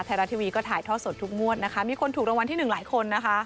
ไทยรัฐทีวีก็ถ่ายทอดสดทุกงวดนะคะมีคนถูกรางวัลที่หนึ่งหลายคนนะคะ